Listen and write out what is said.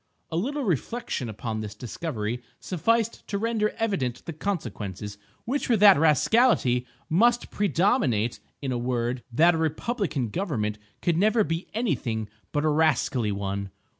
A little reflection upon this discovery sufficed to render evident the consequences, which were that rascality must predominate—in a word, that a republican government could never be any thing but a rascally one.